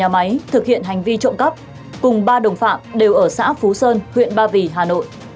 nhà máy thực hiện hành vi trộm cắp cùng ba đồng phạm đều ở xã phú sơn huyện ba vì hà nội